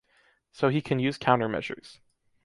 So he can use counter measures.